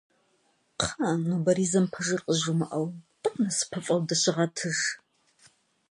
Кхъыӏэ нобэризэм пэжыр къызжумыӏэу, тӏэкӏу нэсыпыфӏэу дыщыгъэтыж.